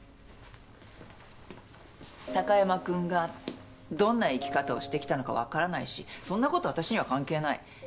貴山君がどんな生き方をしてきたのかわからないしそんなこと私には関係ない。